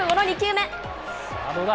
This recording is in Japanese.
さあどうだ？